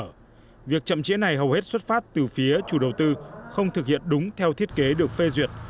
các chậm chế này hầu hết xuất phát từ phía chủ đầu tư không thực hiện đúng theo thiết kế được phê duyệt